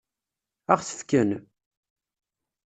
Ad ɣ-t-fken?